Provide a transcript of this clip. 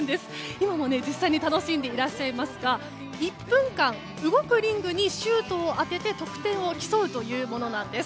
今も実際に楽しんでいらっしゃいますが１分間、動くリングにシュートを当てて得点を競うというものなんです。